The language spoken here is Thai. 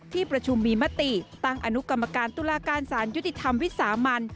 ที่ประชุมมีมติตั้งอนุกรรมการตุลาการสารยุติธรรมวิสามัน